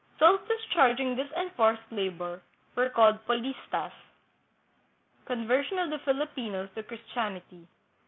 Those dis charging this enforced labor were called " polistas." Conversion of the Filipinos to Christianity.